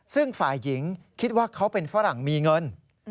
ซึ่งฝ่ายหญิงคิดว่าเขาเป็นฝรั่งมีเงิน